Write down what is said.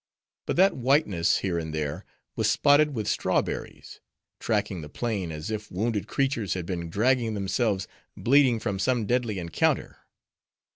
But that whiteness, here and there, was spotted with strawberries; tracking the plain, as if wounded creatures had been dragging themselves bleeding from some deadly encounter.